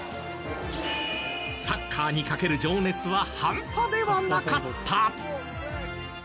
サッカーにかける情熱は半端ではなかった！